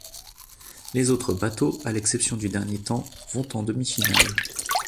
Les autres bateaux, à l'exception du dernier temps vont en demi-finales.